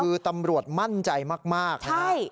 คือตำรวจมั่นใจมากนะครับ